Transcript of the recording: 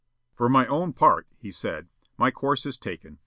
"For my own part," he said, "my course is taken.